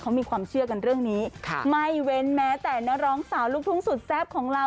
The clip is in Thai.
เขามีความเชื่อกันเรื่องนี้ไม่เว้นแม้แต่นักร้องสาวลูกทุ่งสุดแซ่บของเรา